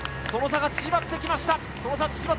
その差が縮まってきました。